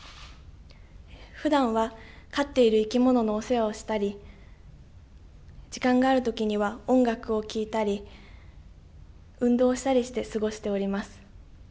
ふだんは飼っている生き物のお世話をしたり時間があるときには音楽を聴いたり運動をしたりして過ごしております。